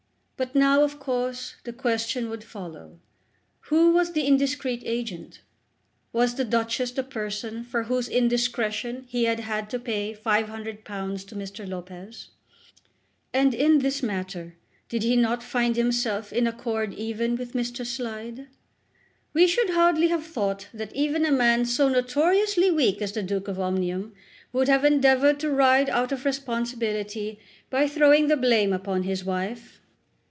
But now, of course, the question would follow: Who was the indiscreet agent? Was the Duchess the person for whose indiscretion he had had to pay £500 to Mr. Lopez? And in this matter did he not find himself in accord even with Mr. Slide? "We should hardly have thought that even a man so notoriously weak as the Duke of Omnium would have endeavoured to ride out of responsibility by throwing the blame upon his wife."